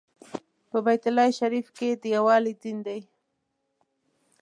په بیت الله شریف کې د یووالي دین دی.